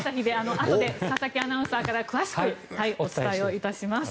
あとで佐々木アナウンサーから詳しくお伝えいたします。